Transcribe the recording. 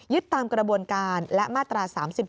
ตามกระบวนการและมาตรา๓๔